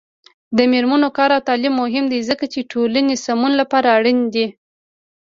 د میرمنو کار او تعلیم مهم دی ځکه چې ټولنې سمون لپاره اړین دی.